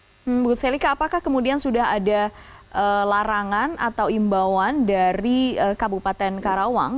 ibu selika apakah kemudian sudah ada larangan atau imbauan dari kabupaten karawang